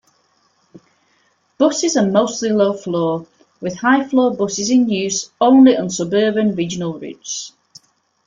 Buses are mostly low-floor, with high-floor buses in use only on suburban-regional routes.